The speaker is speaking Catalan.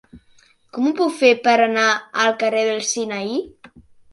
Com ho puc fer per anar al carrer del Sinaí?